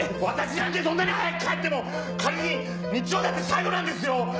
私なんてどんなに早く帰っても仮に日曜だって最後なんですよ！